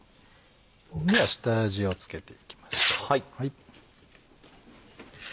では下味を付けていきましょう。